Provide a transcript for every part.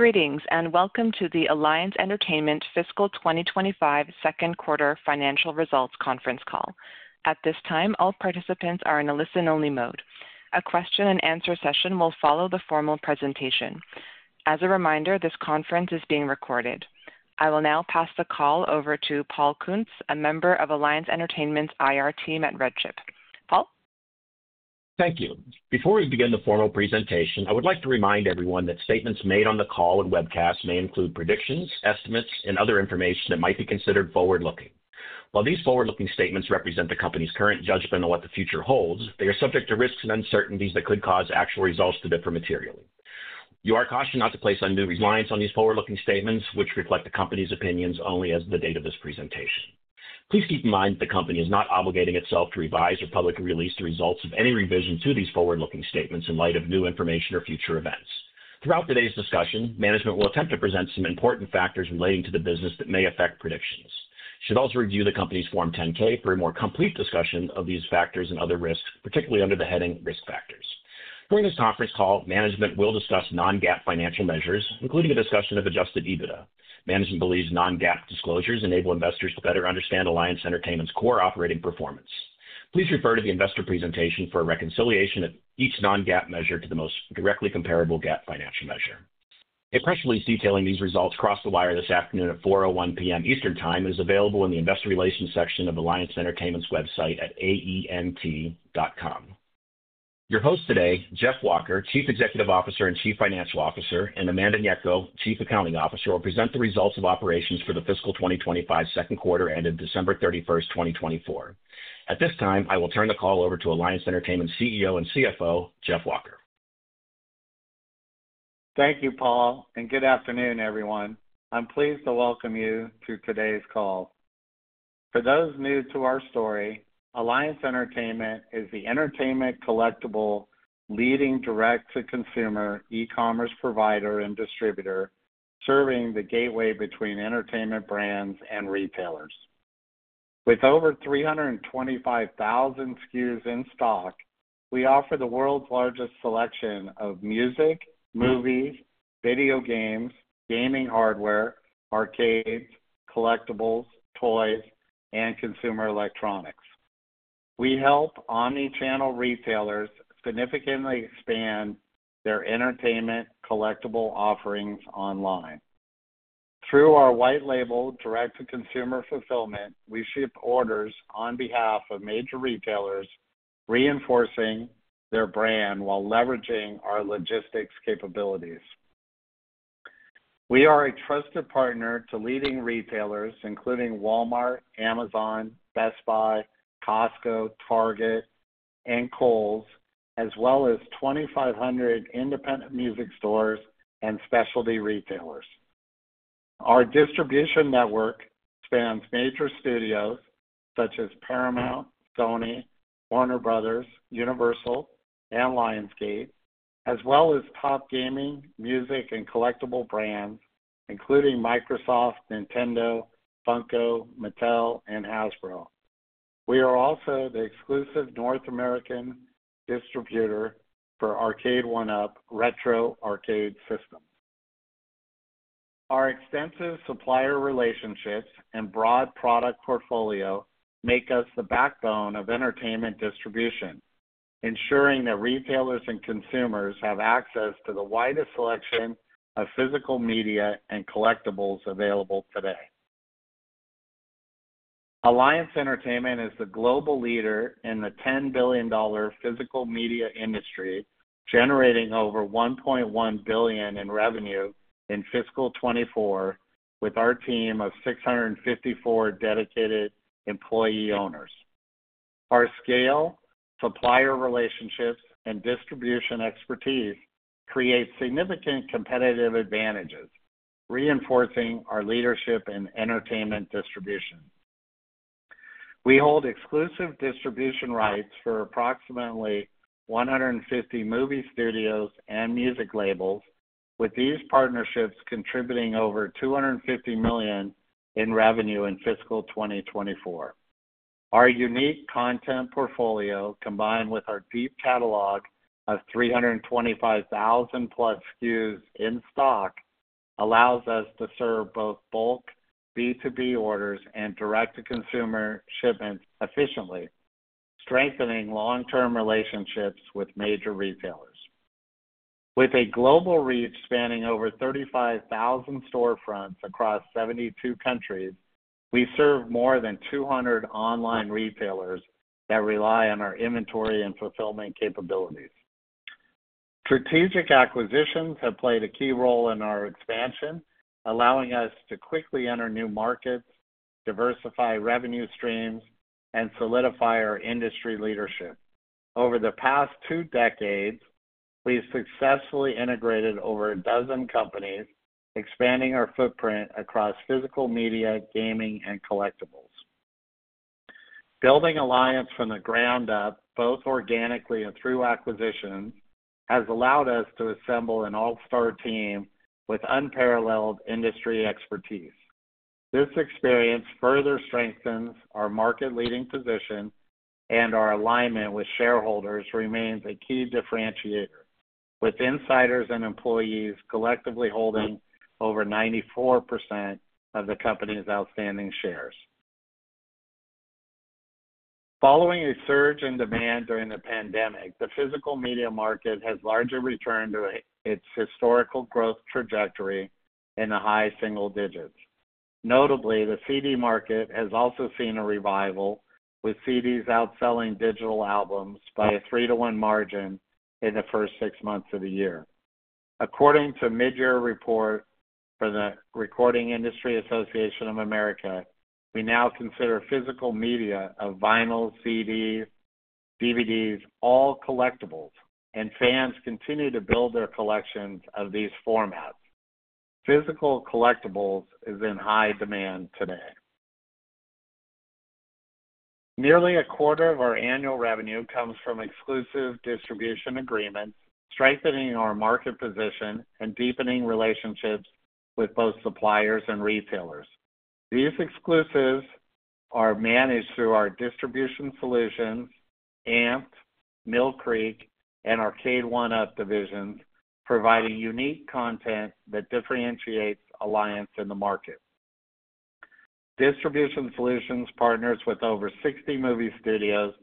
Greetings and welcome to the Alliance Entertainment Fiscal 2025 Second Quarter Financial Results Conference Call. At this time, all participants are in a listen-only mode. A question-and-answer session will follow the formal presentation. As a reminder, this conference is being recorded. I will now pass the call over to Paul Kuntz, a member of Alliance Entertainment's IR team at Redchip. Paul? Thank you. Before we begin the formal presentation, I would like to remind everyone that statements made on the call and webcast may include predictions, estimates, and other information that might be considered forward-looking. While these forward-looking statements represent the company's current judgment on what the future holds, they are subject to risks and uncertainties that could cause actual results to differ materially. You are cautioned not to place any reliance on these forward-looking statements, which reflect the company's opinions only as of the date of this presentation. Please keep in mind that the company is not obligating itself to revise or publicly release the results of any revision to these forward-looking statements in light of new information or future events. Throughout today's discussion, management will attempt to present some important factors relating to the business that may affect predictions. You should also review the company's Form 10-K for a more complete discussion of these factors and other risks, particularly under the heading "Risk Factors." During this conference call, management will discuss non-GAAP financial measures, including a discussion of adjusted EBITDA. Management believes non-GAAP disclosures enable investors to better understand Alliance Entertainment's core operating performance. Please refer to the Investor Presentation for a reconciliation of each non-GAAP measure to the most directly comparable GAAP financial measure. A press release detailing these results crossed the wire this afternoon at 4:01 p.m. Eastern Time and is available in the Investor Relations section of Alliance Entertainment's website at aent.com. Your hosts today, Jeff Walker, Chief Executive Officer and Chief Financial Officer, and Amanda Gnecco, Chief Accounting Officer, will present the results of operations for the fiscal 2025 second quarter ended December 31, 2024. At this time, I will turn the call over to Alliance Entertainment's CEO and CFO, Jeff Walker. Thank you, Paul, and good afternoon, everyone. I'm pleased to welcome you to today's call. For those new to our story, Alliance Entertainment is the entertainment collectible leading direct-to-consumer e-commerce provider and distributor serving the gateway between entertainment brands and retailers. With over 325,000 SKUs in stock, we offer the world's largest selection of music, movies, video games, gaming hardware, arcades, collectibles, toys, and consumer electronics. We help omni-channel retailers significantly expand their entertainment collectible offerings online. Through our white-label direct-to-consumer fulfillment, we ship orders on behalf of major retailers, reinforcing their brand while leveraging our logistics capabilities. We are a trusted partner to leading retailers, including Walmart, Amazon, Best Buy, Costco, Target, and Kohl's, as well as 2,500 independent music stores and specialty retailers. Our distribution network spans major studios such as Paramount, Sony, Warner Bros., Universal, and Lionsgate, as well as top gaming, music, and collectible brands, including Microsoft, Nintendo, Funko, Mattel, and Hasbro. We are also the exclusive North American distributor for Arcade1Up Retro Arcade Systems. Our extensive supplier relationships and broad product portfolio make us the backbone of entertainment distribution, ensuring that retailers and consumers have access to the widest selection of physical media and collectibles available today. Alliance Entertainment is the global leader in the $10 billion physical media industry, generating over $1.1 billion in revenue in fiscal 2024 with our team of 654 dedicated employee-owners. Our scale, supplier relationships, and distribution expertise create significant competitive advantages, reinforcing our leadership in entertainment distribution. We hold exclusive distribution rights for approximately 150 movie studios and music labels, with these partnerships contributing over $250 million in revenue in fiscal 2024. Our unique content portfolio, combined with our deep catalog of 325,000+ SKUs in stock, allows us to serve both bulk B2B orders and direct-to-consumer shipments efficiently, strengthening long-term relationships with major retailers. With a global reach spanning over 35,000 storefronts across 72 countries, we serve more than 200 online retailers that rely on our inventory and fulfillment capabilities. Strategic acquisitions have played a key role in our expansion, allowing us to quickly enter new markets, diversify revenue streams, and solidify our industry leadership. Over the past two decades, we've successfully integrated over a dozen companies, expanding our footprint across physical media, gaming, and collectibles. Building Alliance from the ground up, both organically and through acquisitions, has allowed us to assemble an all-star team with unparalleled industry expertise. This experience further strengthens our market-leading position, and our alignment with shareholders remains a key differentiator, with insiders and employees collectively holding over 94% of the company's outstanding shares. Following a surge in demand during the pandemic, the physical media market has largely returned to its historical growth trajectory in the high single digits. Notably, the CD market has also seen a revival, with CDs outselling digital albums by a 3:1 margin in the first six months of the year. According to a mid-year report from the Recording Industry Association of America, we now consider physical media of vinyl, CDs, DVDs, all collectibles, and fans continue to build their collections of these formats. Physical collectibles are in high demand today. Nearly a quarter of our annual revenue comes from exclusive distribution agreements, strengthening our market position and deepening relationships with both suppliers and retailers. These exclusives are managed through our Distribution Solutions, AMPED, Mill Creek, and Arcade1Up divisions, providing unique content that differentiates Alliance in the market. Distribution Solutions partners with over 60 movie studios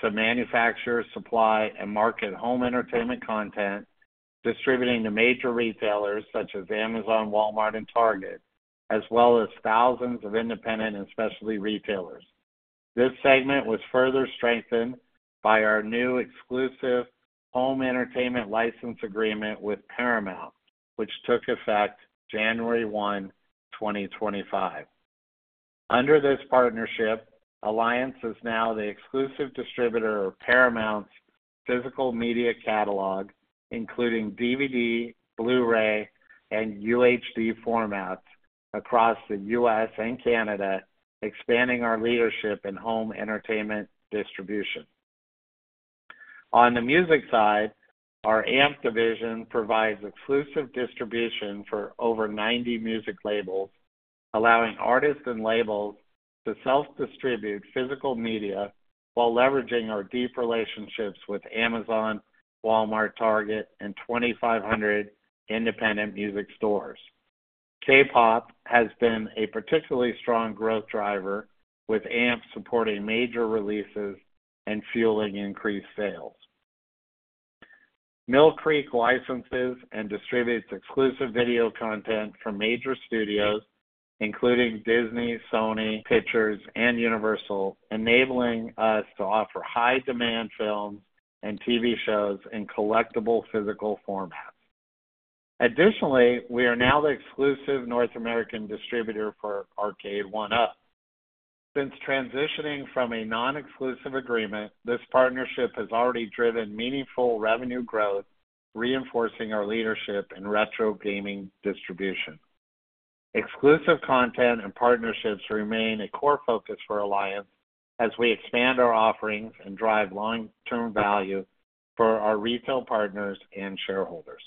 to manufacture, supply, and market home entertainment content, distributing to major retailers such as Amazon, Walmart, and Target, as well as thousands of independent and specialty retailers. This segment was further strengthened by our new exclusive home entertainment license agreement with Paramount, which took effect January 1, 2025. Under this partnership, Alliance is now the exclusive distributor of Paramount's physical media catalog, including DVD, Blu-ray, and UHD formats across the U.S. and Canada, expanding our leadership in home entertainment distribution. On the music side, our AMPED division provides exclusive distribution for over 90 music labels, allowing artists and labels to self-distribute physical media while leveraging our deep relationships with Amazon, Walmart, Target, and 2,500 independent music stores. K-pop has been a particularly strong growth driver, with AMPED supporting major releases and fueling increased sales. Mill Creek licenses and distributes exclusive video content from major studios, including Disney, Sony Pictures, and Universal, enabling us to offer high-demand films and TV shows in collectible physical formats. Additionally, we are now the exclusive North American distributor for Arcade1Up. Since transitioning from a non-exclusive agreement, this partnership has already driven meaningful revenue growth, reinforcing our leadership in retro gaming distribution. Exclusive content and partnerships remain a core focus for Alliance as we expand our offerings and drive long-term value for our retail partners and shareholders.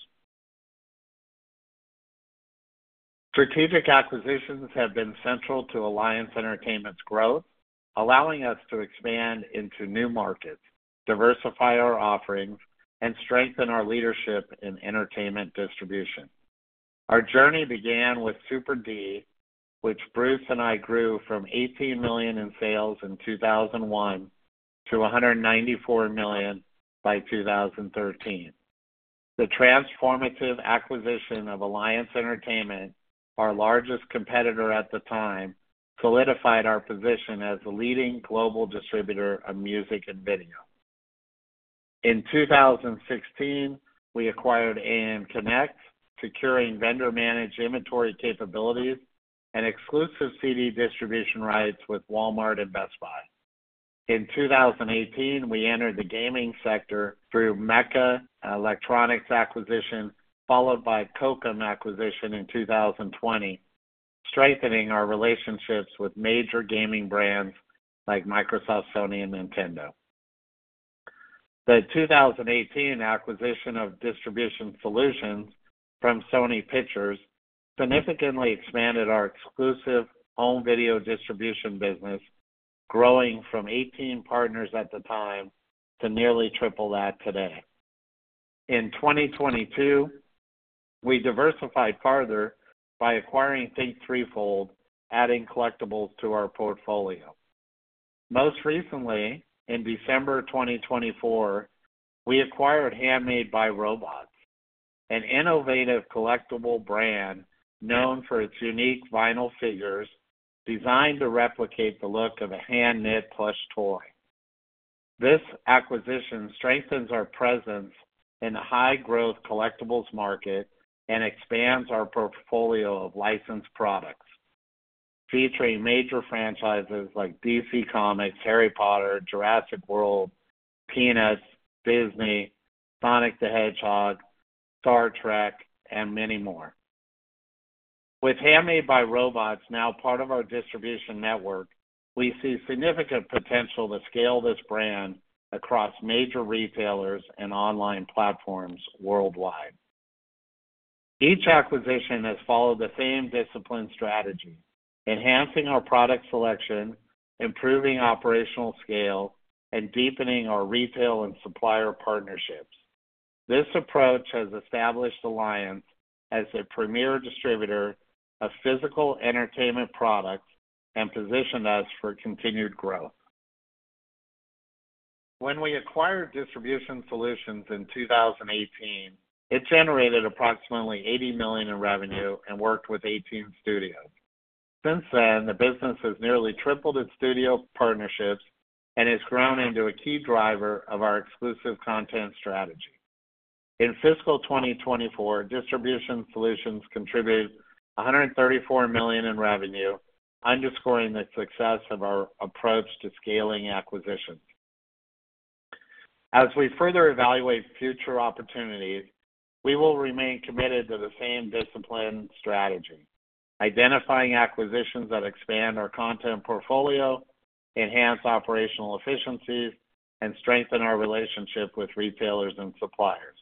Strategic acquisitions have been central to Alliance Entertainment's growth, allowing us to expand into new markets, diversify our offerings, and strengthen our leadership in entertainment distribution. Our journey began with Super D, which Bruce and I grew from $18 million in sales in 2001 to $194 million by 2013. The transformative acquisition of Alliance Entertainment, our largest competitor at the time, solidified our position as the leading global distributor of music and video. In 2016, we acquired AM Connect, securing vendor-managed inventory capabilities and exclusive CD distribution rights with Walmart and Best Buy. In 2018, we entered the gaming sector through MECCA Electronics acquisition, followed by Kokum acquisition in 2020, strengthening our relationships with major gaming brands like Microsoft, Sony, and Nintendo. The 2018 acquisition of Distribution Solutions from Sony Pictures significantly expanded our exclusive home video distribution business, growing from 18 partners at the time to nearly triple that today. In 2022, we diversified further by acquiring Think 3Fold, adding collectibles to our portfolio. Most recently, in December 2024, we acquired Handmade by Robots, an innovative collectible brand known for its unique vinyl figures designed to replicate the look of a hand-knit plush toy. This acquisition strengthens our presence in the high-growth collectibles market and expands our portfolio of licensed products, featuring major franchises like DC Comics, Harry Potter, Jurassic World, Peanuts, Disney, Sonic the Hedgehog, Star Trek, and many more. With Handmade by Robots now part of our distribution network, we see significant potential to scale this brand across major retailers and online platforms worldwide. Each acquisition has followed the same discipline strategy, enhancing our product selection, improving operational scale, and deepening our retail and supplier partnerships. This approach has established Alliance as a premier distributor of physical entertainment products and positioned us for continued growth. When we acquired Distribution Solutions in 2018, it generated approximately $80 million in revenue and worked with 18 studios. Since then, the business has nearly tripled its studio partnerships and has grown into a key driver of our exclusive content strategy. In fiscal 2024, Distribution Solutions contributed $134 million in revenue, underscoring the success of our approach to scaling acquisitions. As we further evaluate future opportunities, we will remain committed to the same discipline strategy, identifying acquisitions that expand our content portfolio, enhance operational efficiencies, and strengthen our relationship with retailers and suppliers.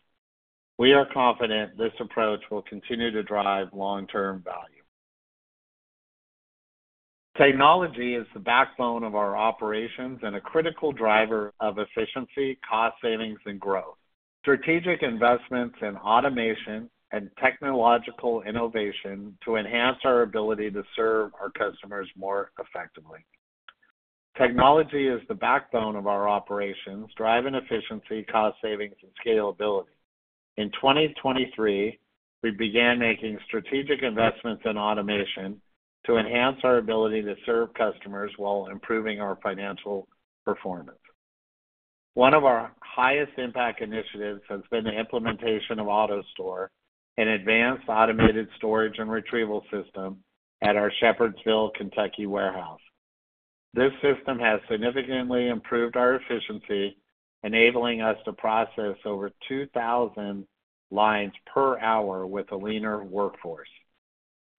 We are confident this approach will continue to drive long-term value. Technology is the backbone of our operations and a critical driver of efficiency, cost savings, and growth. Strategic investments in automation and technological innovation enhance our ability to serve our customers more effectively. Technology is the backbone of our operations, driving efficiency, cost savings, and scalability. In 2023, we began making strategic investments in automation to enhance our ability to serve customers while improving our financial performance. One of our highest impact initiatives has been the implementation of AutoStore, an advanced automated storage and retrieval system at our Shepherdsville, Kentucky warehouse. This system has significantly improved our efficiency, enabling us to process over 2,000 lines per hour with a leaner workforce.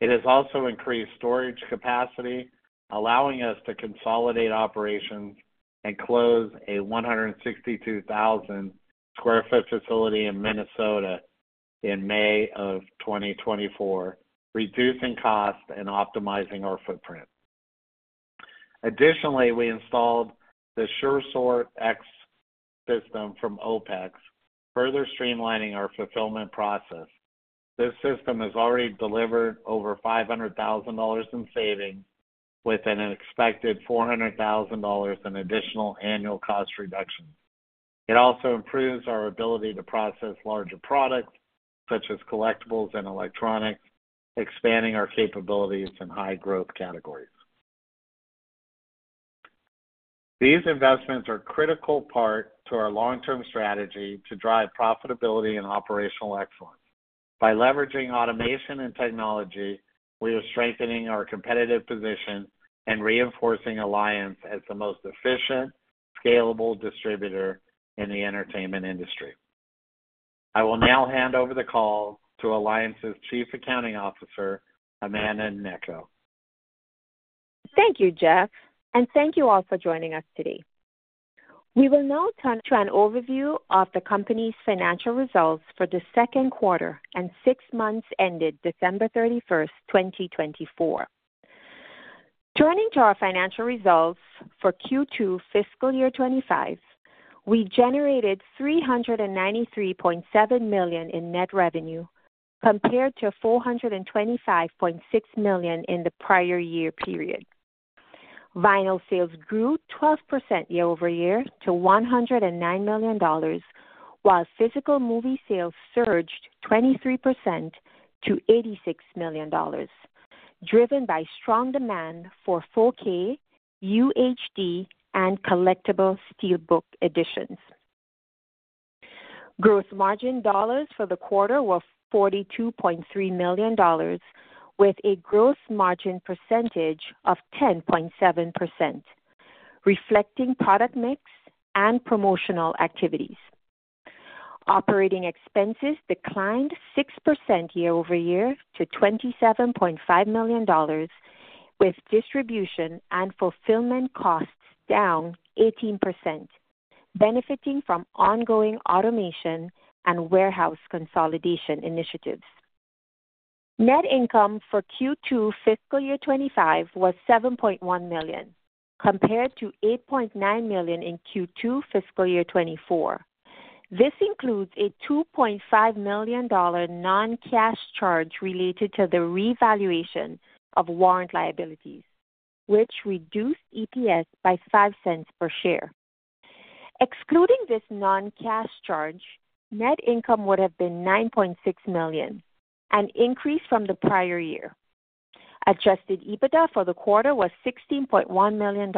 It has also increased storage capacity, allowing us to consolidate operations and close a 162,000 sq ft facility in Minnesota in May of 2024, reducing costs and optimizing our footprint. Additionally, we installed the SureSort X system from OPEX, further streamlining our fulfillment process. This system has already delivered over $500,000 in savings, with an expected $400,000 in additional annual cost reduction. It also improves our ability to process larger products such as collectibles and electronics, expanding our capabilities in high-growth categories. These investments are a critical part of our long-term strategy to drive profitability and operational excellence. By leveraging automation and technology, we are strengthening our competitive position and reinforcing Alliance as the most efficient, scalable distributor in the entertainment industry. I will now hand over the call to Alliance's Chief Accounting Officer, Amanda Gnecco. Thank you, Jeff, and thank you all for joining us today. We will now turn to an overview of the company's financial results for the Second quarter and six months ended December 31, 2024. Turning to our financial results for Q2 fiscal year 2025, we generated $393.7 million in net revenue compared to $425.6 million in the prior year period. Vinyl sales grew 12% year-over-year to $109 million, while physical movie sales surged 23% to $86 million, driven by strong demand for 4K, UHD, and collectible SteelBook editions. Gross margin dollars for the quarter were $42.3 million, with a gross margin percentage of 10.7%, reflecting product mix and promotional activities. Operating expenses declined 6% year-over-year to $27.5 million, with distribution and fulfillment costs down 18%, benefiting from ongoing automation and warehouse consolidation initiatives. Net income for Q2 fiscal year 2025 was $7.1 million, compared to $8.9 million in Q2 fiscal year 2024. This includes a $2.5 million non-cash charge related to the revaluation of warrant liabilities, which reduced EPS by $0.05 per share. Excluding this non-cash charge, net income would have been $9.6 million, an increase from the prior year. Adjusted EBITDA for the quarter was $16.1 million,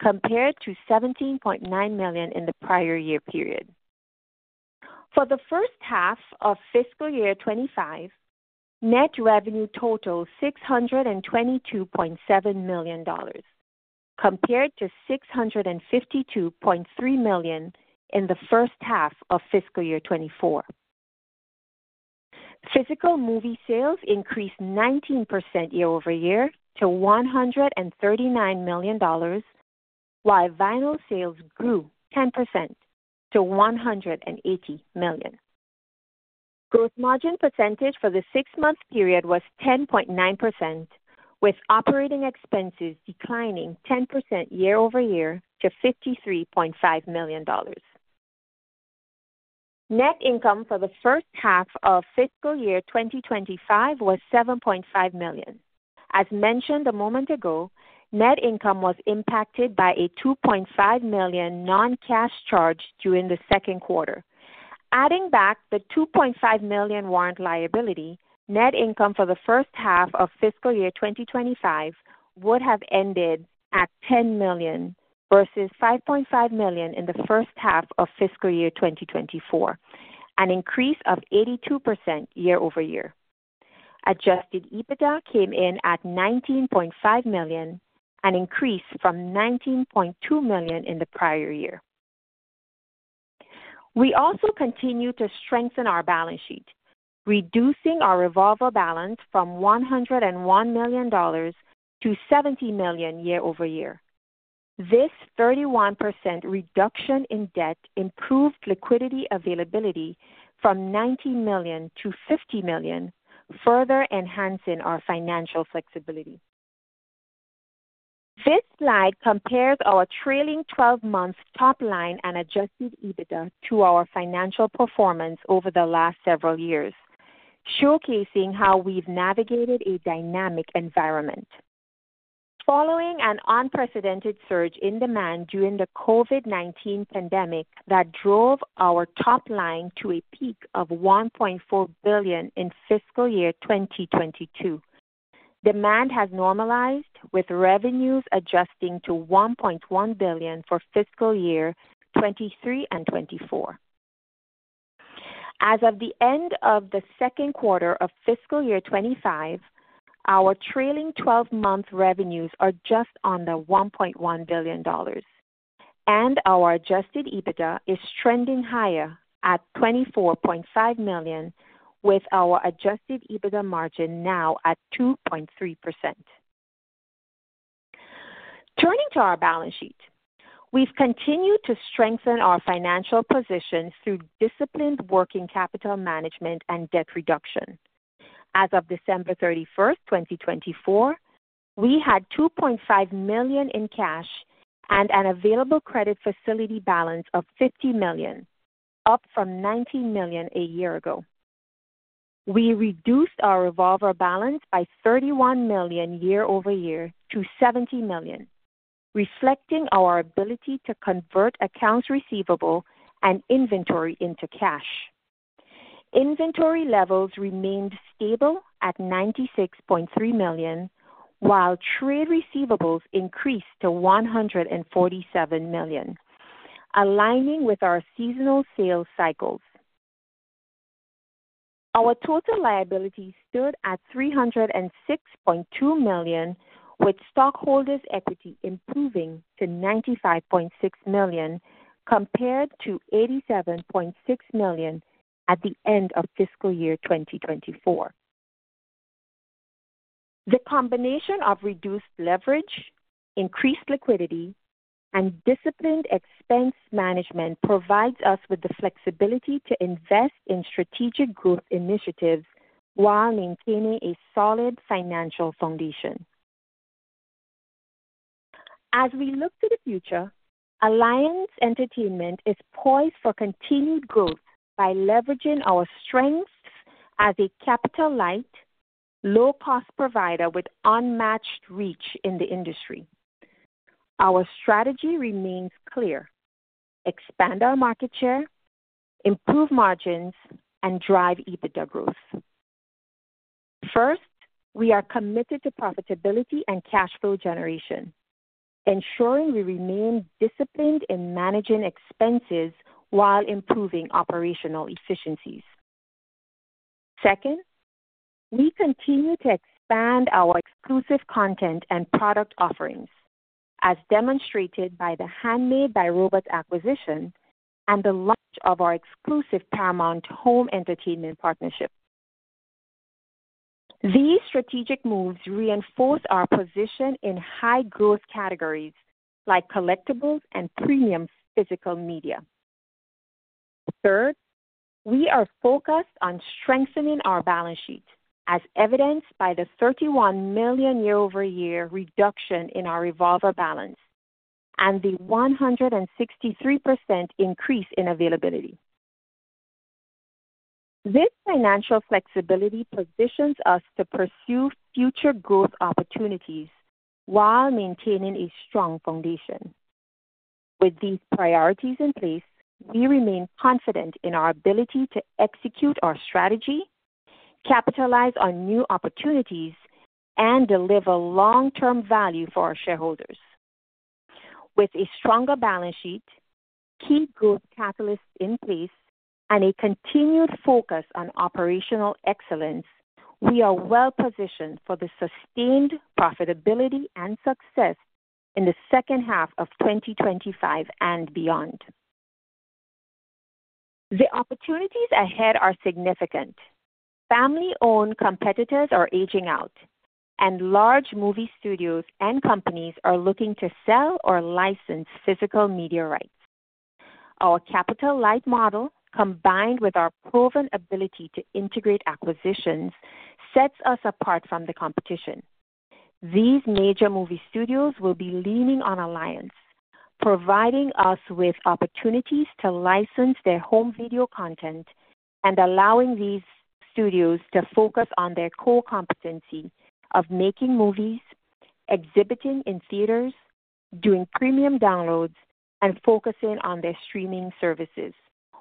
compared to $17.9 million in the prior year period. For the first half of fiscal year 2025, net revenue totaled $622.7 million, compared to $652.3 million in the first half of fiscal year 2024. Physical movie sales increased 19% year-over-year to $139 million, while vinyl sales grew 10% to $180 million. Gross margin percentage for the six-month period was 10.9%, with operating expenses declining 10% year-over-year to $53.5 million. Net income for the first half of fiscal year 2025 was $7.5 million. As mentioned a moment ago, net income was impacted by a $2.5 million non-cash charge during the second quarter. Adding back the $2.5 million warrant liability, net income for the first half of fiscal year 2025 would have ended at $10 million versus $5.5 million in the first half of fiscal year 2024, an increase of 82% year-over-year. Adjusted EBITDA came in at $19.5 million, an increase from $19.2 million in the prior year. We also continue to strengthen our balance sheet, reducing our revolver balance from $101 million to $70 million year-over-year. This 31% reduction in debt improved liquidity availability from $90 million to $50 million, further enhancing our financial flexibility. This slide compares our trailing 12-month top line and adjusted EBITDA to our financial performance over the last several years, showcasing how we've navigated a dynamic environment. Following an unprecedented surge in demand during the COVID-19 pandemic that drove our top line to a peak of $1.4 billion in fiscal year 2022, demand has normalized, with revenues adjusting to $1.1 billion for fiscal year 2023 and 2024. As of the end of the second quarter of fiscal year 2025, our trailing 12-month revenues are just under $1.1 billion, and our adjusted EBITDA is trending higher at $24.5 million, with our adjusted EBITDA margin now at 2.3%. Turning to our balance sheet, we've continued to strengthen our financial position through disciplined working capital management and debt reduction. As of December 31, 2024, we had $2.5 million in cash and an available credit facility balance of $50 million, up from $19 million a year ago. We reduced our revolver balance by $31 million year-over-year to $70 million, reflecting our ability to convert accounts receivable and inventory into cash. Inventory levels remained stable at $96.3 million, while trade receivables increased to $147 million, aligning with our seasonal sales cycles. Our total liability stood at $306.2 million, with stockholders' equity improving to $95.6 million compared to $87.6 million at the end of fiscal year 2024. The combination of reduced leverage, increased liquidity, and disciplined expense management provides us with the flexibility to invest in strategic growth initiatives while maintaining a solid financial foundation. As we look to the future, Alliance Entertainment is poised for continued growth by leveraging our strengths as a capital-light, low-cost provider with unmatched reach in the industry. Our strategy remains clear: expand our market share, improve margins, and drive EBITDA growth. First, we are committed to profitability and cash flow generation, ensuring we remain disciplined in managing expenses while improving operational efficiencies. Second, we continue to expand our exclusive content and product offerings, as demonstrated by the Handmade by Robots acquisition and the launch of our exclusive Paramount Home Entertainment partnership. These strategic moves reinforce our position in high-growth categories like collectibles and premium physical media. Third, we are focused on strengthening our balance sheet, as evidenced by the $31 million year-over-year reduction in our revolver balance and the 163% increase in availability. This financial flexibility positions us to pursue future growth opportunities while maintaining a strong foundation. With these priorities in place, we remain confident in our ability to execute our strategy, capitalize on new opportunities, and deliver long-term value for our shareholders. With a stronger balance sheet, key growth catalysts in place, and a continued focus on operational excellence, we are well-positioned for the sustained profitability and success in the second half of 2025 and beyond. The opportunities ahead are significant. Family-owned competitors are aging out, and large movie studios and companies are looking to sell or license physical media rights. Our capital-light model, combined with our proven ability to integrate acquisitions, sets us apart from the competition. These major movie studios will be leaning on Alliance, providing us with opportunities to license their home video content and allowing these studios to focus on their core competency of making movies, exhibiting in theaters, doing premium downloads, and focusing on their streaming services,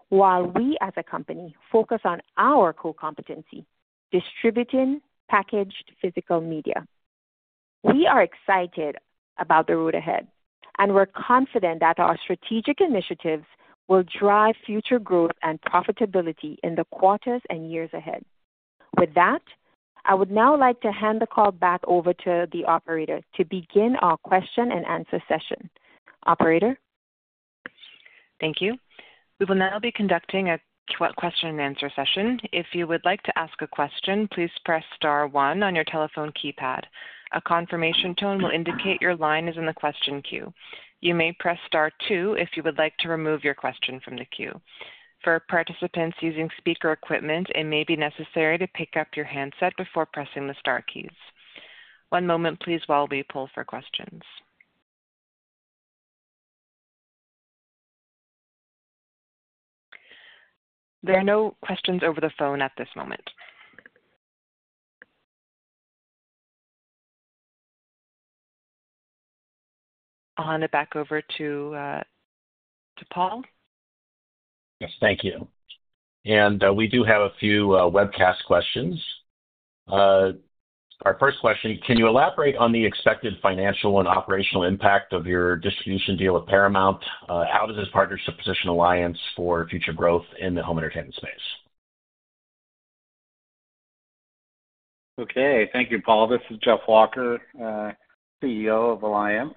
while we as a company focus on our core competency: distributing packaged physical media. We are excited about the road ahead, and we're confident that our strategic initiatives will drive future growth and profitability in the quarters and years ahead. With that, I would now like to hand the call back over to the operator to begin our question-and-answer session. Operator? Thank you. We will now be conducting a question-and-answer session. If you would like to ask a question, please press Star one on your telephone keypad. A confirmation tone will indicate your line is in the question queue. You may press Star two if you would like to remove your question from the queue. For participants using speaker equipment, it may be necessary to pick up your handset before pressing the Star keys. One moment, please, while we pull for questions. There are no questions over the phone at this moment. I'll hand it back over to Paul. Yes, thank you. We do have a few webcast questions. Our first question: can you elaborate on the expected financial and operational impact of your distribution deal with Paramount? How does this partnership position Alliance for future growth in the home entertainment space? Okay. Thank you, Paul. This is Jeff Walker, CEO of Alliance.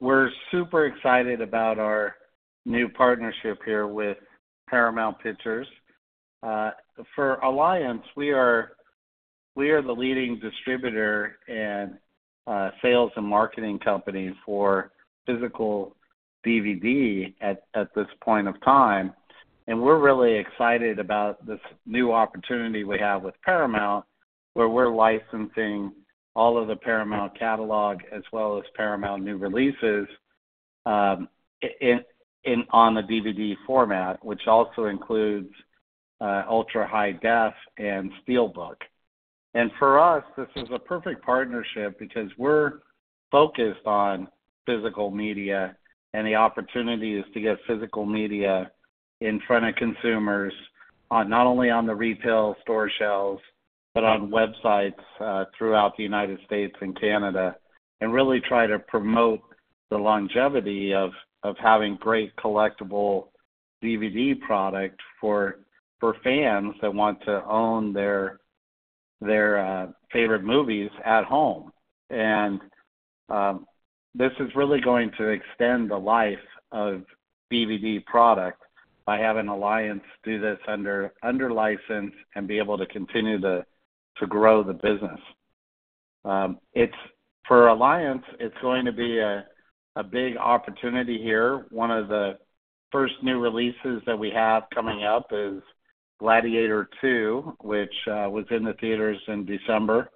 We're super excited about our new partnership here with Paramount Pictures. For Alliance, we are the leading distributor and sales and marketing company for physical DVD at this point of time. We're really excited about this new opportunity we have with Paramount, where we're licensing all of the Paramount catalog as well as Paramount new releases on the DVD format, which also includes Ultra-High-Def and SteelBook. For us, this is a perfect partnership because we're focused on physical media and the opportunities to get physical media in front of consumers, not only on the retail store shelves, but on websites throughout the United States and Canada, and really try to promote the longevity of having great collectible DVD product for fans that want to own their favorite movies at home. This is really going to extend the life of DVD product by having Alliance do this under license and be able to continue to grow the business. For Alliance, it's going to be a big opportunity here. One of the first new releases that we have coming up is Gladiator II, which was in the theaters in December.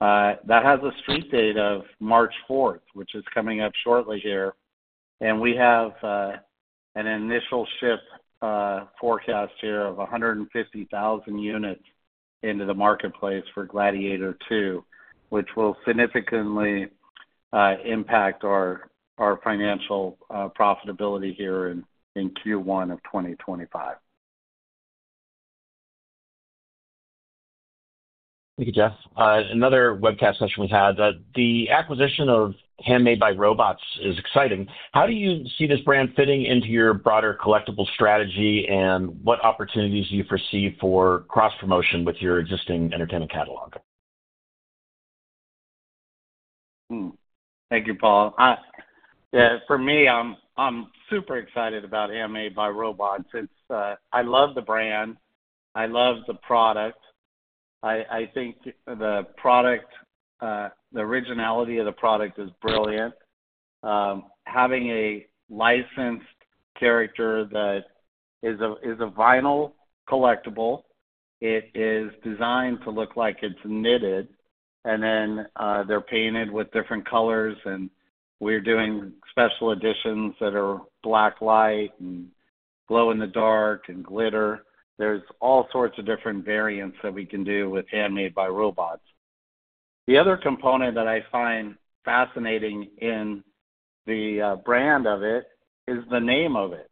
That has a street date of March 4, which is coming up shortly here. We have an initial ship forecast here of 150,000 units into the marketplace for Gladiator II, which will significantly impact our financial profitability here in Q1 of 2025. Thank you, Jeff. Another webcast question we had: the acquisition of Handmade by Robots is exciting. How do you see this brand fitting into your broader collectible strategy, and what opportunities do you foresee for cross-promotion with your existing entertainment catalog? Thank you, Paul. For me, I'm super excited about Handmade by Robots. I love the brand. I love the product. I think the originality of the product is brilliant. Having a licensed character that is a vinyl collectible, it is designed to look like it's knitted, and then they're painted with different colors. We are doing special editions that are black light and glow in the dark and glitter. There are all sorts of different variants that we can do with Handmade by Robots. The other component that I find fascinating in the brand of it is the name of it.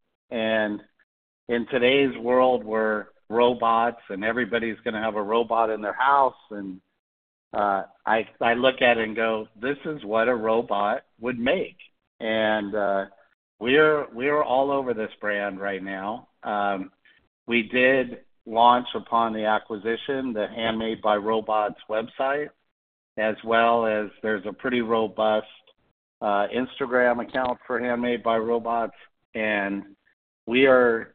In today's world, we are robots, and everybody's going to have a robot in their house. I look at it and go, "This is what a robot would make." We are all over this brand right now. We did launch upon the acquisition the Handmade by Robots website, as well as there is a pretty robust Instagram account for Handmade by Robots. We are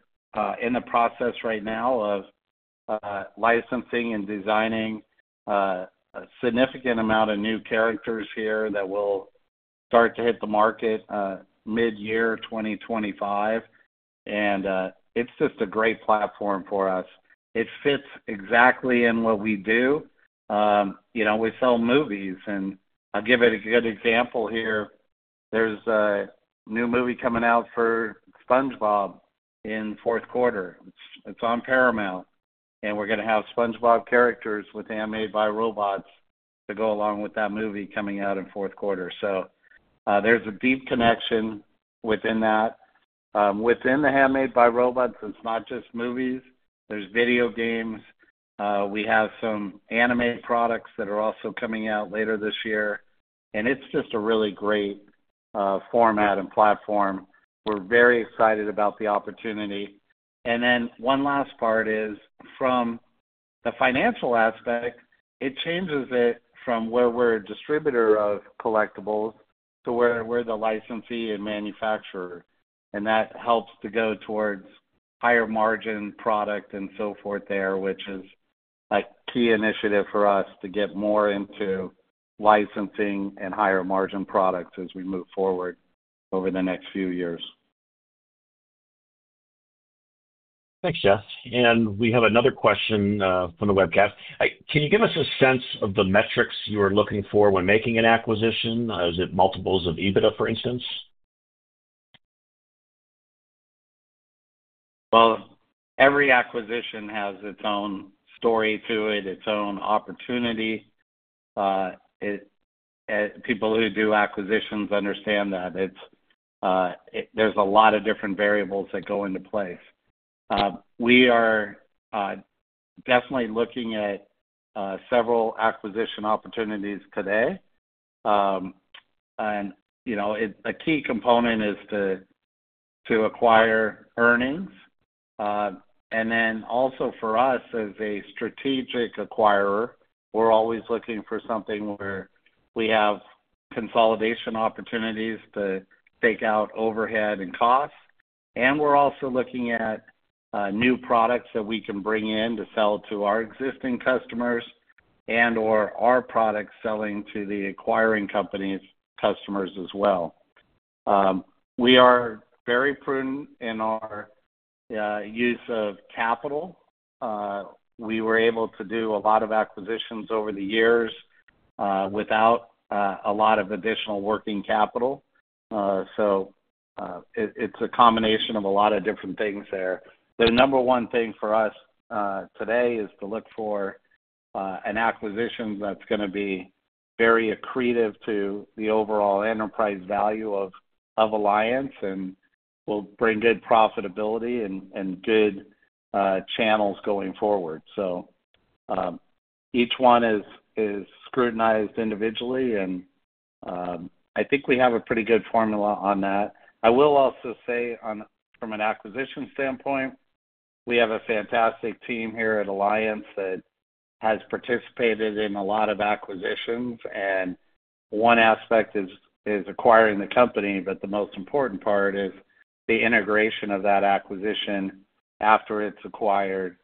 in the process right now of licensing and designing a significant amount of new characters here that will start to hit the market mid-year 2025. It is just a great platform for us. It fits exactly in what we do. We sell movies. I'll give a good example here. There is a new movie coming out for SpongeBob in fourth quarter. It is on Paramount. We are going to have SpongeBob characters with Handmade by Robots to go along with that movie coming out in fourth quarter. There is a deep connection within that. Within the Handmade by Robots, it is not just movies. There are video games. We have some animated products that are also coming out later this year. It is just a really great format and platform. We are very excited about the opportunity. One last part is from the financial aspect, it changes it from where we're a distributor of collectibles to where we're the licensee and manufacturer. That helps to go towards higher margin product and so forth there, which is a key initiative for us to get more into licensing and higher margin products as we move forward over the next few years. Thanks, Jeff. We have another question from the webcast. Can you give us a sense of the metrics you are looking for when making an acquisition? Is it multiples of EBITDA, for instance? Every acquisition has its own story to it, its own opportunity. People who do acquisitions understand that there's a lot of different variables that go into place. We are definitely looking at several acquisition opportunities today. A key component is to acquire earnings. For us, as a strategic acquirer, we're always looking for something where we have consolidation opportunities to take out overhead and costs. We're also looking at new products that we can bring in to sell to our existing customers and/or our products selling to the acquiring company's customers as well. We are very prudent in our use of capital. We were able to do a lot of acquisitions over the years without a lot of additional working capital. It is a combination of a lot of different things there. The number one thing for us today is to look for an acquisition that's going to be very accretive to the overall enterprise value of Alliance and will bring good profitability and good channels going forward. Each one is scrutinized individually. I think we have a pretty good formula on that. I will also say, from an acquisition standpoint, we have a fantastic team here at Alliance that has participated in a lot of acquisitions. One aspect is acquiring the company, but the most important part is the integration of that acquisition after it's acquired,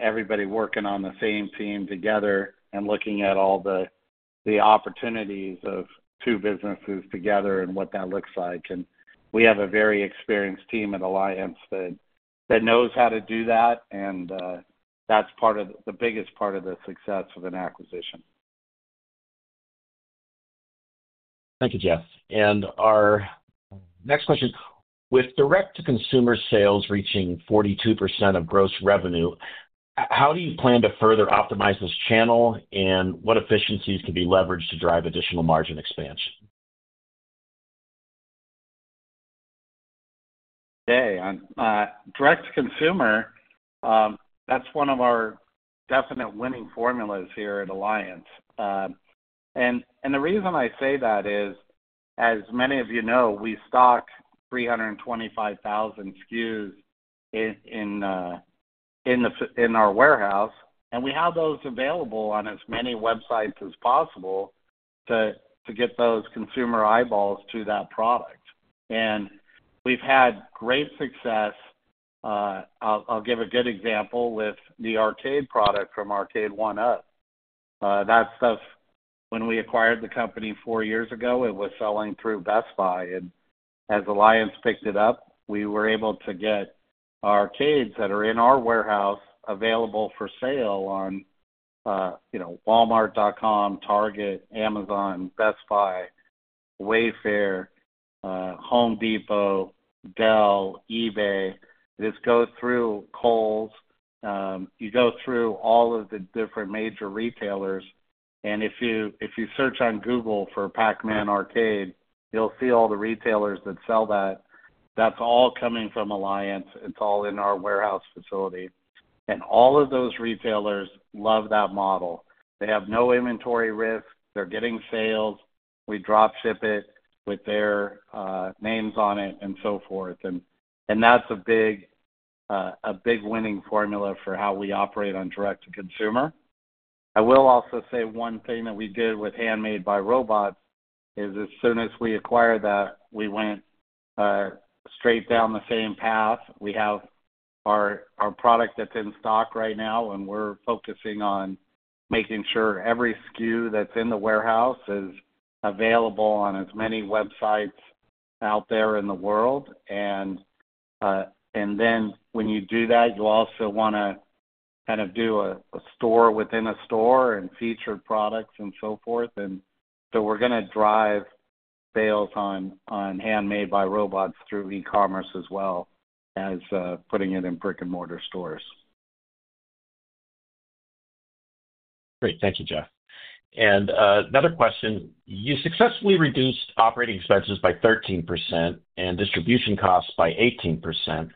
everybody working on the same team together and looking at all the opportunities of two businesses together and what that looks like. We have a very experienced team at Alliance that knows how to do that. That's the biggest part of the success of an acquisition. Thank you, Jeff. Our next question: with direct-to-consumer sales reaching 42% of gross revenue, how do you plan to further optimize this channel, and what efficiencies can be leveraged to drive additional margin expansion? Okay. Direct-to-consumer, that's one of our definite winning formulas here at Alliance. The reason I say that is, as many of you know, we stock 325,000 SKUs in our warehouse. We have those available on as many websites as possible to get those consumer eyeballs to that product. We've had great success. I'll give a good example with the arcade product from Arcade1Up. That stuff, when we acquired the company four years ago, it was selling through Best Buy. As Alliance picked it up, we were able to get arcades that are in our warehouse available for sale on Walmart.com, Target, Amazon, Best Buy, Wayfair, Home Depot, Dell, eBay. This goes through Kohl's. You go through all of the different major retailers. If you search on Google for Pac-Man arcade, you'll see all the retailers that sell that. That's all coming from Alliance. It's all in our warehouse facility. All of those retailers love that model. They have no inventory risk. They're getting sales. We drop ship it with their names on it and so forth. That's a big winning formula for how we operate on direct-to-consumer. I will also say one thing that we did with Handmade by Robots is, as soon as we acquired that, we went straight down the same path. We have our product that's in stock right now, and we're focusing on making sure every SKU that's in the warehouse is available on as many websites out there in the world. When you do that, you also want to kind of do a store within a store and feature products and so forth. We're going to drive sales on Handmade by Robots through e-commerce as well as putting it in brick-and-mortar stores. Great. Thank you, Jeff. Another question: you successfully reduced operating expenses by 13% and distribution costs by 18%.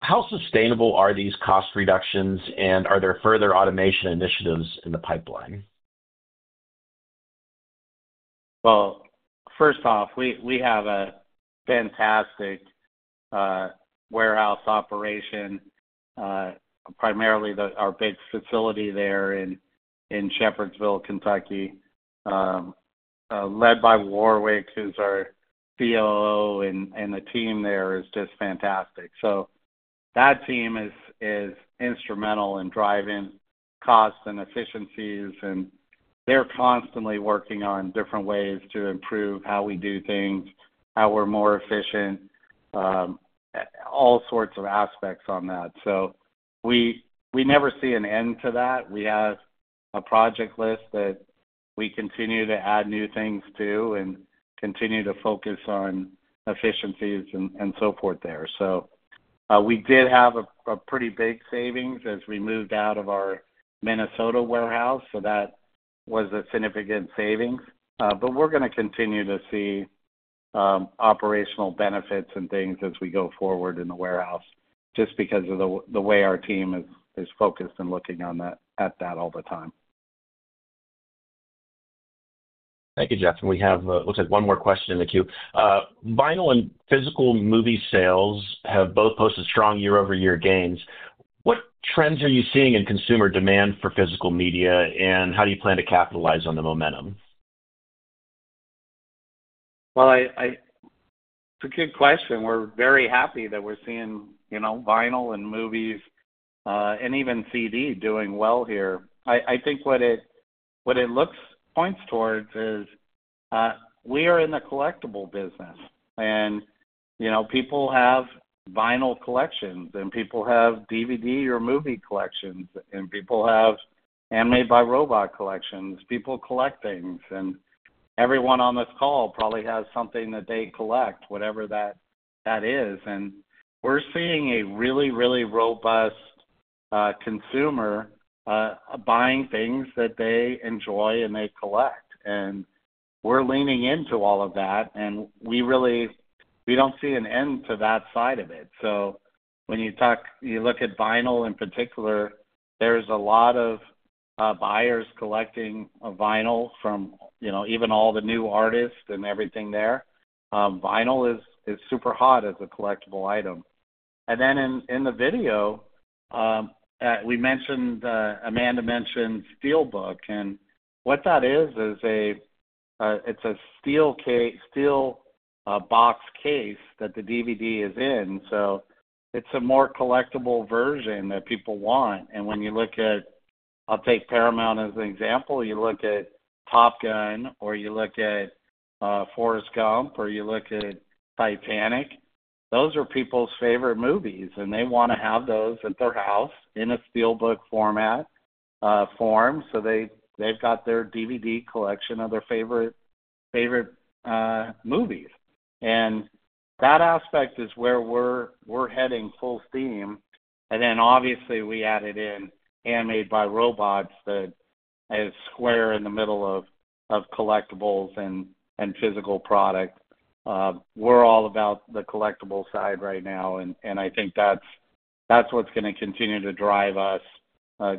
How sustainable are these cost reductions, and are there further automation initiatives in the pipeline? First off, we have a fantastic warehouse operation, primarily our big facility there in Shepherdsville, Kentucky, led by Warwick, who's our COO, and the team there is just fantastic. That team is instrumental in driving costs and efficiencies. They're constantly working on different ways to improve how we do things, how we're more efficient, all sorts of aspects on that. We never see an end to that. We have a project list that we continue to add new things to and continue to focus on efficiencies and so forth there. We did have a pretty big savings as we moved out of our Minnesota warehouse. That was a significant savings. We are going to continue to see operational benefits and things as we go forward in the warehouse just because of the way our team is focused and looking at that all the time. Thank you, Jeff. We have, it looks like, one more question in the queue. Vinyl and physical movie sales have both posted strong year-over-year gains. What trends are you seeing in consumer demand for physical media, and how do you plan to capitalize on the momentum? It is a good question. We are very happy that we are seeing vinyl and movies and even CD doing well here. I think what it points towards is we are in the collectible business. People have vinyl collections, and people have DVD or movie collections, and people have Handmade by Robots collections. People collect things. Everyone on this call probably has something that they collect, whatever that is. We're seeing a really, really robust consumer buying things that they enjoy and they collect. We're leaning into all of that. We don't see an end to that side of it. When you look at vinyl in particular, there's a lot of buyers collecting vinyl from even all the new artists and everything there. Vinyl is super hot as a collectible item. In the video, Amanda mentioned SteelBook. What that is, it's a steel box case that the DVD is in. It's a more collectible version that people want. When you look at, I'll take Paramount as an example, you look at Top Gun or you look at Forrest Gump or you look at Titanic, those are people's favorite movies. They want to have those at their house in a SteelBook format. They have got their DVD collection of their favorite movies. That aspect is where we are heading full steam. Obviously, we added in Handmade by Robots that is square in the middle of collectibles and physical products. We are all about the collectible side right now. I think that is what is going to continue to drive us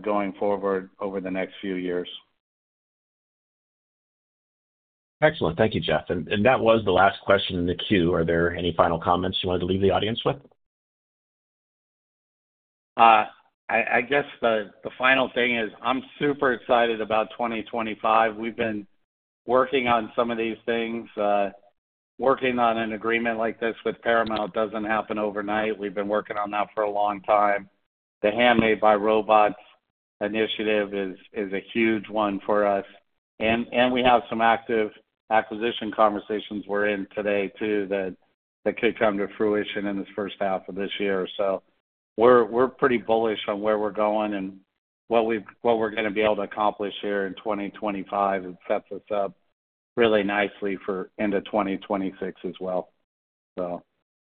going forward over the next few years. Excellent. Thank you, Jeff. That was the last question in the queue. Are there any final comments you wanted to leave the audience with? I guess the final thing is I am super excited about 2025. We have been working on some of these things. Working on an agreement like this with Paramount does not happen overnight. We have been working on that for a long time. The Handmade by Robots initiative is a huge one for us. We have some active acquisition conversations we're in today too that could come to fruition in this first half of this year. We are pretty bullish on where we're going and what we're going to be able to accomplish here in 2025 and set this up really nicely for into 2026 as well. We are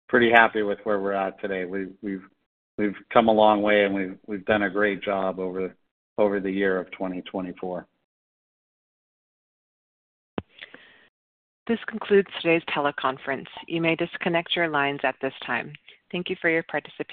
pretty happy with where we're at today. We've come a long way, and we've done a great job over the year of 2024. This concludes today's teleconference. You may disconnect your lines at this time. Thank you for your participation.